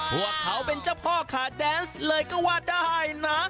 พวกเขาเป็นเจ้าพ่อขาแดนส์เลยก็ว่าได้นะ